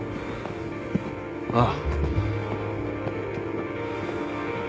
ああ。